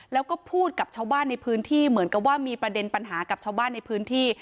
แล้วก็พูดกับชาวบ้านในพื้นที่เหมือนกับว่ามีประเด็นปัญหากับชาวบ้านในพื้นที่